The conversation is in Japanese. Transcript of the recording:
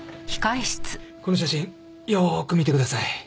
この写真よく見てください。